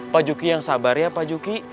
pak juki yang sabar ya pak juki